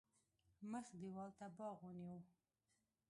مخ دېوال ته باغ ونیو.